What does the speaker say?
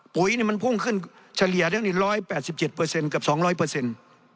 ปุ๋ยนี่มันพุ่งขึ้นเฉลี่ยได้๑๘๗เปอร์เซ็นต์กับ๒๐๐เปอร์เซ็นต์